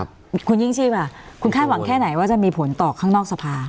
อ่าคุณยิ่งชีพธาขนาดแค่ไหนว่าจะมีผลต่อข้างนอกสภา